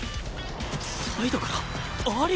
サイドから蟻生！？